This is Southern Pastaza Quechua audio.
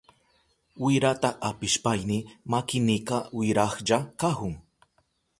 Wirata apishpayni makinika wirahlla kahun.